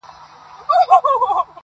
خدايه زه ستا د طبيعت په شاوخوا مئين يم